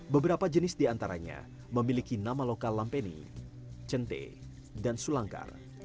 beberapa jenis di antaranya memiliki nama lokal lampeni centek dan sulangkar